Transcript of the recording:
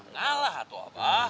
ngalah itu abah